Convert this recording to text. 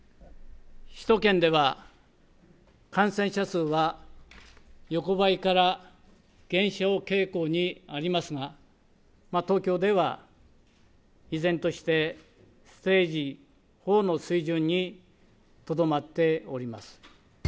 首都圏では感染者数は横ばいから減少傾向にありますが、東京では依然としてステージ４の水準にとどまっております。